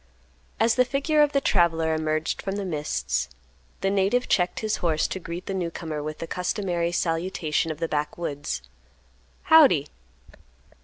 As the figure of the traveler emerged from the mists, the native checked his horse to greet the newcomer with the customary salutation of the backwoods, "Howdy."